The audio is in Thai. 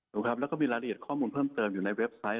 ครับแล้วก็มีรายละเอียดข้อมูลเพิ่มเติมอยู่ในเว็บไซต์